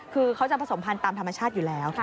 คือเขาจะผสมพันธ์ตามธรรมชาติอยู่แล้ว